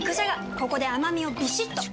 ここで甘みをビシッと！